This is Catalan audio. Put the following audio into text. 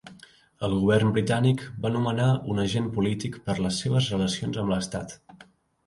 El govern britànic va nomenar un agent polític per les seves relacions amb l'estat.